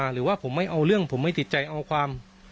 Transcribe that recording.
หรือว่าผมไม่เอาเรื่องผมไม่ติดใจเอาความ